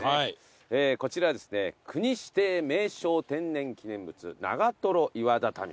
こちら国指定名勝天然記念物長瀞岩畳。